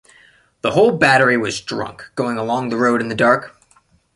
The whole battery was drunk going along the road in the dark.